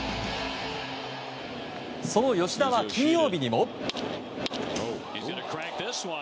その吉田は金曜日にも。